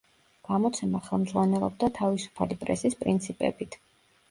გამოცემა ხელმძღვანელობდა თავისუფალი პრესის პრინციპებით.